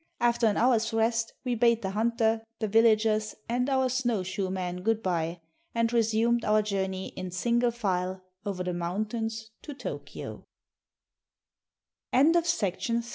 After an hour's rest we bade the hunter, the villagers, and our snow shoe men good by, and resumed our journey in single file over the mountains to Tokio. SEEKING HIS FORTUNE. BY MRS. W. J.